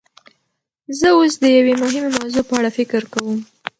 زه اوس د یوې مهمې موضوع په اړه فکر کوم.